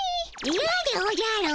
イヤでおじゃる。